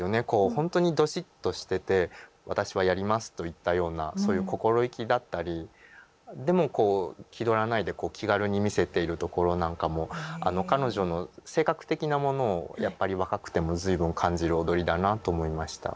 ほんとにどしっとしてて「私はやります」といったようなそういう心意気だったりでもこう気取らないで気軽に見せているところなんかも彼女の性格的なものをやっぱり若くても随分感じる踊りだなと思いました。